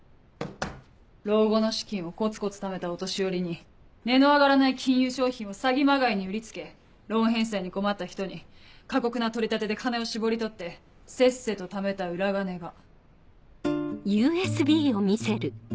老後の資金をコツコツためたお年寄りに値の上がらない金融商品を詐欺まがいに売り付けローン返済に困った人に過酷な取り立てで金を搾り取ってせっせとためた裏金が。